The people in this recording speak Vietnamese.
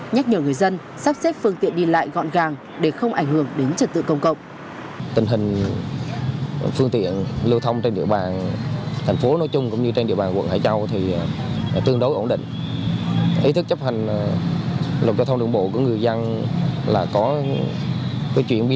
nhắc nhở người dân sắp xếp phương tiện đi lại gọn gàng để không ảnh hưởng đến trật tự công cộng